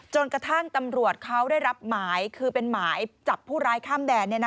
จนกระทั่งตำรวจเขาได้รับหมายคือเป็นหมายจับผู้ร้ายข้ามแดน